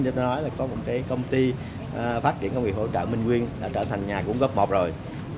tôi nghĩ có một công ty phát triển công nghiệp hỗ trợ minh quyên đã trở thành nhà cung ứng cấp một rồi